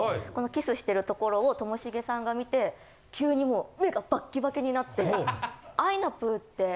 キスしてるところをともしげさんが見て急にもう目がバッキバキになって。